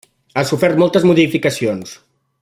Ha sofert moltes modificacions.